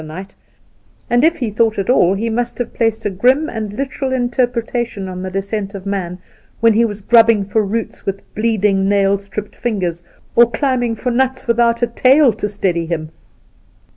the night, and, if he thought at all, he must have placed a grim and literal interpretation on the Descent of Man when he was grubbing for roots with bleeding, nail stripped fingers or climbing for nuts without a tail to steady him